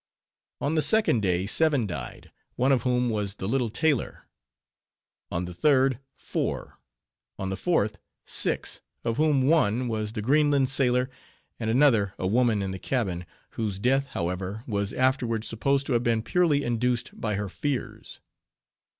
On the second day, seven died, one of whom was the little tailor; on the third, four; on the fourth, six, of whom one was the Greenland sailor, and another, a woman in the cabin, whose death, however, was afterward supposed to have been purely induced by her fears.